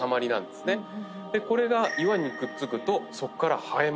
これが岩にくっつくとそっから生えます。